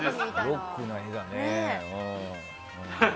ロックな画だね。